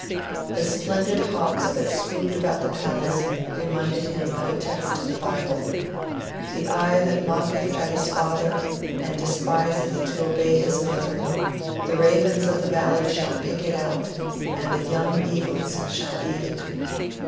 The splendid hawks that swooped about the palace reminded him of a text in the Bible: 'The eye that mocketh at his father and despiseth to obey his mother, the ravens of the valley shall pick it out, and the young eagles shall eat it.'